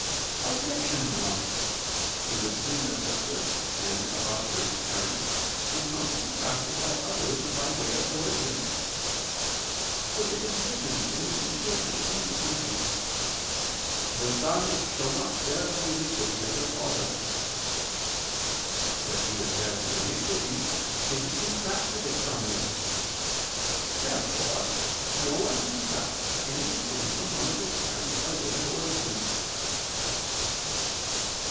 Objection 1: It would seem that the first sin of our first parent is not contracted by others, by way of origin. For it is written (Ezech. 18:20): "The son shall not bear the iniquity of the father." But he would bear the iniquity if he contracted it from him. Therefore no one contracts any sin from one of his parents by way of origin.